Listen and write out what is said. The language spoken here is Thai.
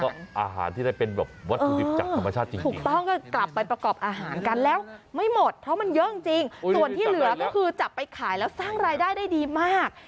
ก็อาหารที่ได้เป็นแบบวัตถุดิบจากธรรมชาติจริงถูกต้องก็กลับไปประกอบอาหารกันแล้วไม่หมดเพราะมันเยอะจริงส่วนที่เหลือก็คือจับไปขายแล้วสร้างรายได้ได้ดีมาก